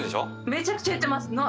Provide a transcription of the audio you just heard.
めちゃくちゃ言ってます！